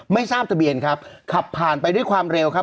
ไม่ทราบทะเบียนครับขับผ่านไปด้วยความเร็วครับ